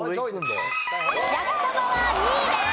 焼きそばは２位です。